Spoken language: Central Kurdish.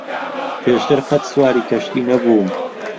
پێشتر قەت سواری کەشتی نەبووم.